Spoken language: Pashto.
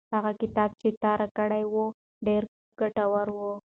هغه کتاب چې تا راکړی و ډېر ګټور و.